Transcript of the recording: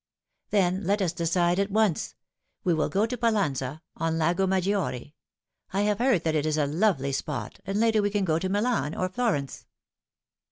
" Then let us decide at once. We will go to Pallauza, on Lago Maggiore. I have heard that it is a lovely spot, and later we can go on to Milan or Florence."